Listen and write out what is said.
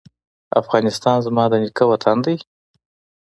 افغانستان زما د نیکه وطن دی؟